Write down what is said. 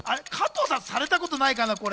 加藤さんされたことないかな？